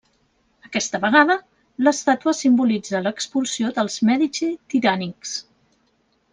Aquesta vegada, l'estàtua simbolitza l'expulsió dels Mèdici tirànics.